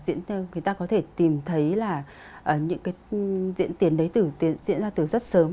à người ta có thể tìm thấy là những cái diễn tiến đấy diễn ra từ rất sớm